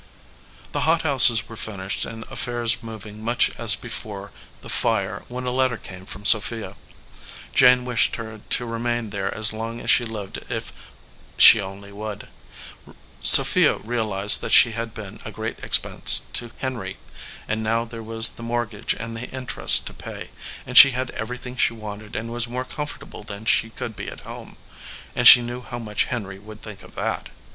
The hothouses were finished and affairs moving much as before the fire when a letter came from Sophia. Jane wished her to remain there as long 253 EDGEWATER PEOPLE as she lived if she only would ; Sophia realized that she had been a great expense to Henry, and now there was the mortgage and the interest to pay, and she had everything she wanted and was more com fortable than she could be at home, and she knew how much Henry would think of that.